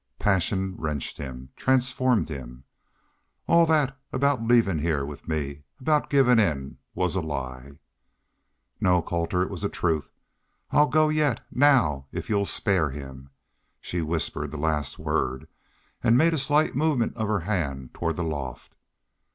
Passion wrenched him, transformed him. "All that aboot leavin' heah with me aboot givin' in was a lie!" "No, Colter. It was the truth. I'll go yet now if y'u'll spare HIM!" She whispered the last word and made a slight movement of her hand toward the loft.